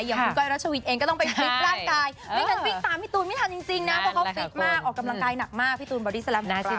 อย่างคุณก้อยรัชวินเองก็ต้องไปฟิตร่างกายไม่งั้นวิ่งตามพี่ตูนไม่ทันจริงนะเพราะเขาฟิตมากออกกำลังกายหนักมากพี่ตูนบอดี้แลมนะ